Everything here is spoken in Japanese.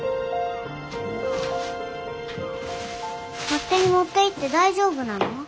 勝手に持っていって大丈夫なの？